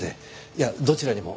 いやどちらにも。